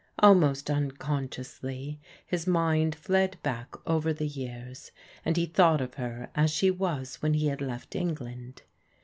Almost unconsciously his mind fied back over the years, and he thought of her as she was when he had left England.